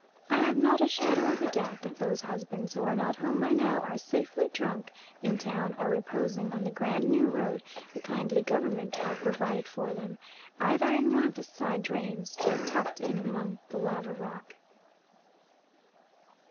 I have not a shadow of a doubt that those husbands who are not home by now are safely drunk in town, or reposing on the grand new road the kindly Government have provided for them, either in one of the side drains, or tucked in among the lava rock.